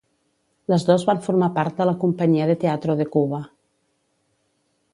Les dos van formar part de la Compañía de Teatro de Cuba.